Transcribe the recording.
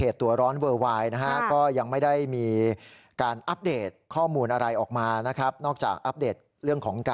ส่วนมาก่อนใจนักเลงอ่ะ